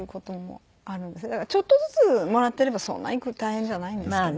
だからちょっとずつもらってればそんなに大変じゃないんですけど。